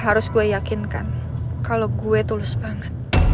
harus gue yakinkan kalau gue tulus banget